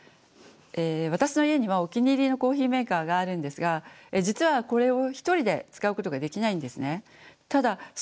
私の家にはお気に入りのコーヒーメーカーがあるんですが実はこれを一人で使うことができないんですね。